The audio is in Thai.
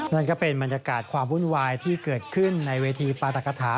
นั่นก็เป็นบรรยากาศความวุ่นวายที่เกิดขึ้นในเวทีปาตกฐา